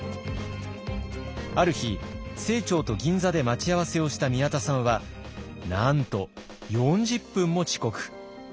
ある日清張と銀座で待ち合わせをした宮田さんはなんと４０分も遅刻。